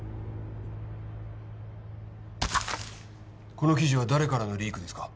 この記事は誰からのリークですか？